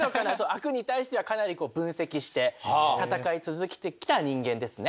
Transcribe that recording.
悪に対してはかなり分析して戦い続けてきた人間ですね。